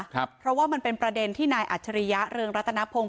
เพราะว่ามันเป็นประเด็นที่นายอัจฉริยะเรืองรัตนพงศ